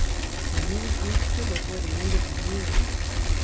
The news reached her before the end of the year.